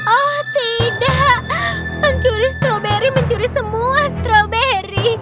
oh tidak pencuri stroberi mencuri semua strawberry